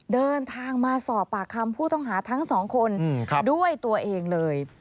เดินทางมาสอบปากคำผู้ต้องหาทั้งสองคนด้วยตัวเองเลย